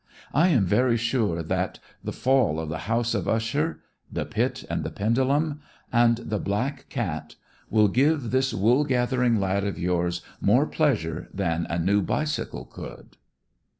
I am very sure that "The Fall of the House of Usher," "The Pit and the Pendulum" and "The Black Cat" will give this woolgathering lad of yours more pleasure than a new bicycle could.